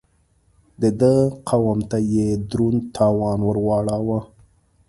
د ده قوم ته يې دروند تاوان ور واړاوه.